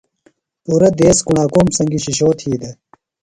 پُرہ دیس کُݨاکوم سنگیۡ شِشو تھی دےۡ۔